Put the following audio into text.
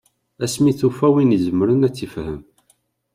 Asmi i d-tufa win i izemren ad tt-ifhem.